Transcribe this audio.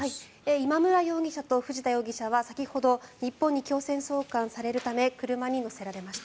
今村容疑者と藤田容疑者は先ほど日本に強制送還されるため車に乗せられました。